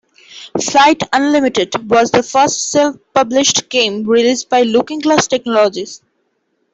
"Flight Unlimited" was the first self-published game released by Looking Glass Technologies.